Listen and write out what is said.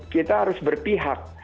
kita harus berpihak